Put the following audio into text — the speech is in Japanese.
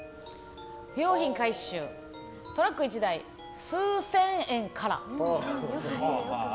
不用品回収トラック１台数千円から。